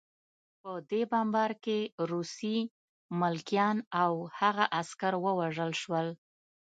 په دې بمبار کې روسي ملکیان او هغه عسکر ووژل شول